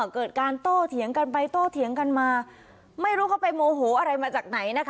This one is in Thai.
เกิดการโต้เถียงกันไปโต้เถียงกันมาไม่รู้เขาไปโมโหอะไรมาจากไหนนะคะ